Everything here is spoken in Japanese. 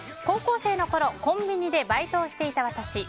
高校生の頃コンビニでバイトをしていた私。